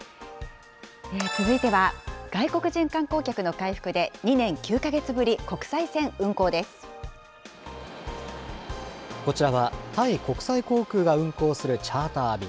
続いては外国人観光客の回復で２年９か月ぶり、国際線運航でこちらは、タイ国際航空が運航するチャーター便。